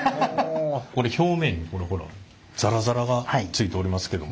これ表面にこれほらザラザラがついておりますけども。